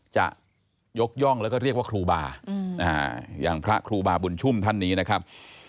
จะยกย่องแล้วก็เรียกว่าครูบาอย่างพระครูบาบุญชุ่มท่านนี้นะครับ